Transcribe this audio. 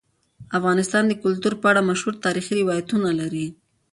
افغانستان د کلتور په اړه مشهور تاریخی روایتونه لري.